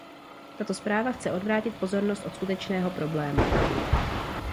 Tato zpráva chce odvrátit pozornost od skutečného problému.